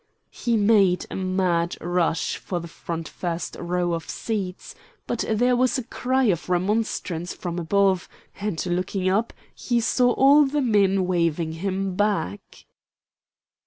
He made a mad rush for the front first row of seats; but there was a cry of remonstrance from above, and, looking up, he saw all of the men waving him back.